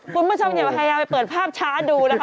คุณผู้ชมอย่าพยายามไปเปิดภาพช้าดูนะคะ